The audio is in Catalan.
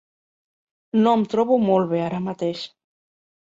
No em trobo molt bé ara mateix.